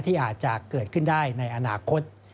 ที่อาจจะเกิดขึ้นได้ในอนาคต